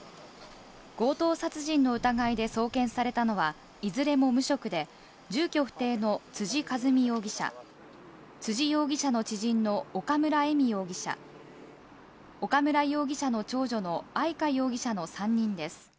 強盗殺人の疑いで送検されたのは、いずれも無職で、住居不定の辻和美容疑者、辻容疑者の知人の岡村恵美容疑者、岡村容疑者の長女の愛香容疑者の３人です。